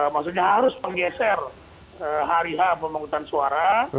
maksudnya harus menggeser hari hari pemenghutang suara